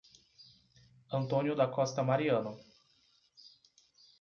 Antônio da Costa Mariano